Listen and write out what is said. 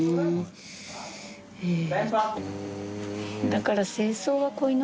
だから弔。